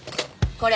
これ。